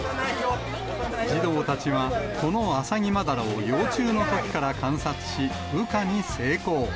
児童たちはこのアサギマダラを幼虫のときから観察し、羽化に成功。